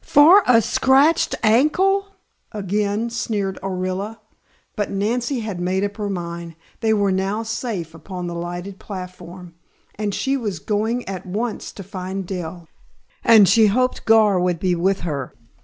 "For a scratched ankle!" again sneered Orilla. But Nancy had made up her mind. They were now safe upon the lighted platform, and she was going at once to find Dell, and she hoped Gar would be with her.